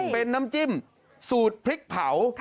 เป็นน้ำจิ้มสูตรพริกเผา